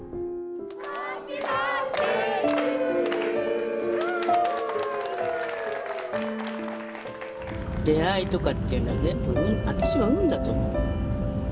「ハッピーバースデートゥユー」出会いとかっていうのは全部運私は運だと思う。